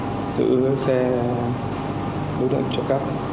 mỗi chiếc xe chúng trộm cắp được trị giá hàng trăm đến hàng tỷ đồng